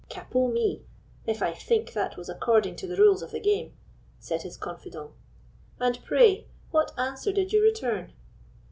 "Capot me! if I think that was according to the rules of the game," said his confidant; "and pray, what answer did you return?"